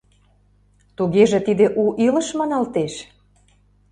Тугеже тиде у илыш маналтеш?